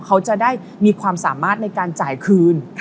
เขาจะได้มีความสามารถในการจ่ายคืน